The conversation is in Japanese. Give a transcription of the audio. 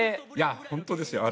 本当ですよ。